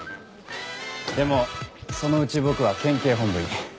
でもそのうち僕は県警本部に。